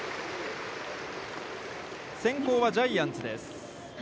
先攻はジャイアンツです。